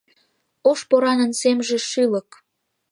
Ош поранын семже шӱлык